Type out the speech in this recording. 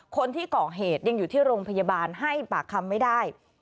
คนที่ก่อเหตุยังอยู่ที่โรงพยาบาลให้ปากคำไม่ได้